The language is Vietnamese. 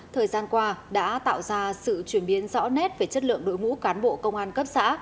thời gian qua đã tạo ra sự chuyển biến rõ nét về chất lượng đội ngũ cán bộ công an cấp xã